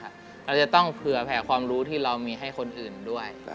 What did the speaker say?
เราจะต้องเผื่อแผ่ความรู้ที่เรามีให้คนอื่นด้วย